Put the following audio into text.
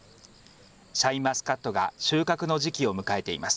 シャインマスカットが収穫の時期を迎えています。